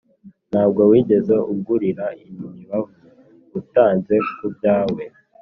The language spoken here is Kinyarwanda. nta bwo wigeze ungurira imibavu utanze ku byawe,